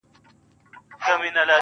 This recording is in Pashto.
گرانه دا اوس ستا د ځوانۍ په خاطر